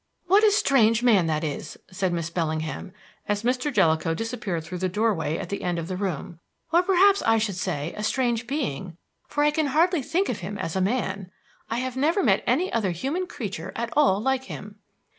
"What a strange man that is," said Miss Bellingham, as Mr. Jellicoe disappeared through the doorway at the end of the room, "or perhaps I should say, a strange being, for I can hardly think of him as a man. I have never met any other human creature at all like him."